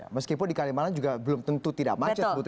meskipun di kalimalang juga belum tentu tidak macet